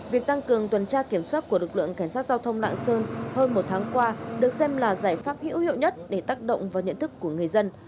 việc tăng cường tuần tra kiểm soát của lực lượng cảnh sát giao thông lạng sơn hơn một tháng qua được xem là giải pháp hữu hiệu nhất để tác động vào nhận thức của người dân